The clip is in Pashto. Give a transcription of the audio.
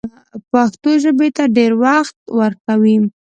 پښتو ژبې ته ډېر وخت ورکوي